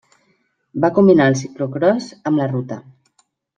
Va combinar el ciclocròs amb la ruta.